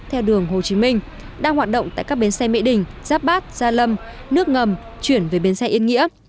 theo đường hồ chí minh đang hoạt động tại các bến xe mỹ đình giáp bát gia lâm nước ngầm chuyển về bến xe yên nghĩa